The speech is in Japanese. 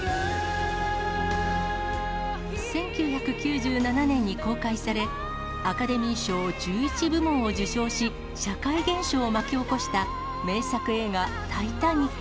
１９９７年に公開され、アカデミー賞１１部門を受賞し、社会現象を巻き起こした名作映画、タイタニック。